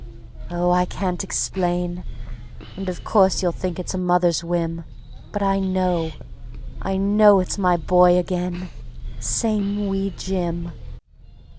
... Oh, I can't explain, And of course you think it's a mother's whim, But I know, I know it's my boy again, Same wee Jim.